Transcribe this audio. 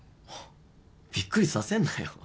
びっくりさせんなよ。